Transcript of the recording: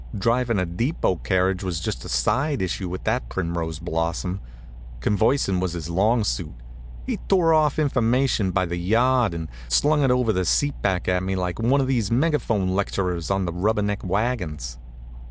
Drivin' a depot carriage was just a side issue with that Primrose blossom. Conversin' was his long suit. He tore off information by the yard, and slung it over the seat back at me like one of these megaphone lecturers on the rubber neck wagons.